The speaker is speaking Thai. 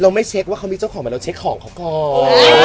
ไม่เช็คว่าเขามีเจ้าของไหมเราเช็คของเขาก่อน